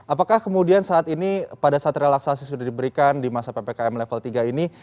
apakah kemudian saat ini pada saat relaksasi sudah diberikan di masa ppkm level tiga ini